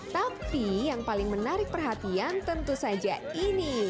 tapi yang paling menarik perhatian tentu saja ini